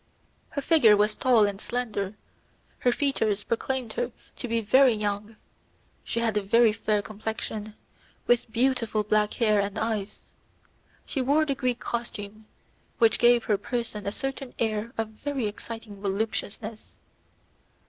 Her figure was tall and slender, her features proclaimed her to be very young; she had a very fair complexion, with beautiful black hair and eyes. She wore the Greek costume, which gave her person a certain air of very exciting voluptuousness.